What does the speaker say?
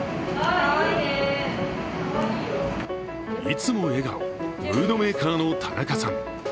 いつも笑顔ムードメーカーの田中さん。